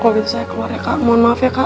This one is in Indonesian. kalau gitu saya keluarnya kak mohon maaf ya kak